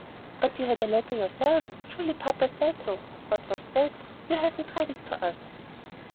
"But you had a letter yourself. Surely papa said so. What was that? You haven't read it to us."